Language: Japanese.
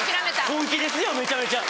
本気ですよめちゃめちゃ。